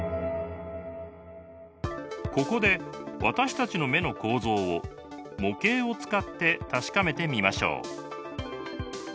ここで私たちの目の構造を模型を使って確かめてみましょう。